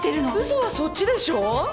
嘘はそっちでしょう？